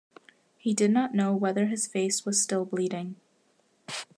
He did not know whether his face was still bleeding.